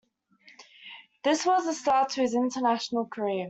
This was the start of his international career.